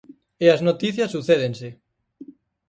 E as noticias sucédense.